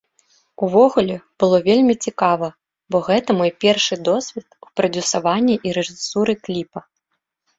Увогуле, было вельмі цікава, бо гэта мой першы досвед у прадзюсаванні і рэжысуры кліпа.